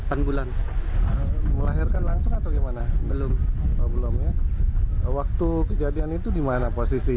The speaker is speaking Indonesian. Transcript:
itu kejadian dimana di dalam rumah